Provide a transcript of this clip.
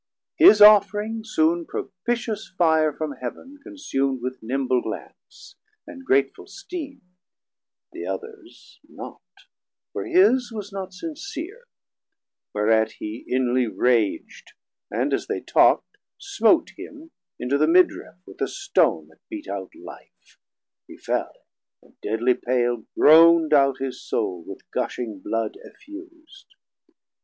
440 His Offring soon propitious Fire from Heav'n Consum'd with nimble glance, and grateful steame; The others not, for his was not sincere; Whereat hee inlie rag'd, and as they talk'd, Smote him into the Midriff with a stone That beat out life; he fell, and deadly pale Groand out his Soul with gushing bloud effus'd.